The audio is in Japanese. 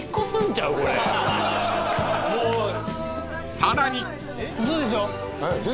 ［さらに］